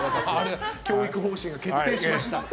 教育方針が決定しました。